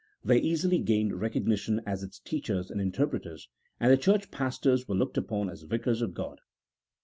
255 they easily gained recognition as its teachers and inter preters, and the church pastors were looked upon as vicars of G od.